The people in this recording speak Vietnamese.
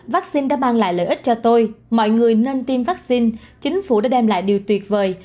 vaccine đã mang lại lợi ích cho tôi mọi người nên tiêm vaccine chính phủ đã đem lại điều tuyệt vời